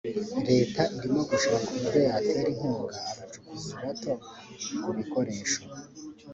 leta irimo gushaka uburyo yatera inkunga abacukuzi bato ku bikoresho